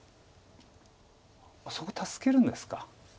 そこ助けるんですか。